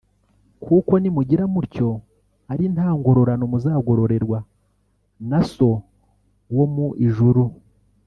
kuko nimugira mutyo ari nta ngororano muzagororerwa na So wo mu ijuru